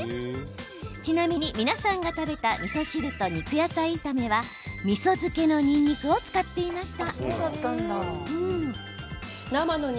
ちなみに皆さんが食べたみそ汁と肉野菜炒めはみそ漬けのにんにくを使っていました。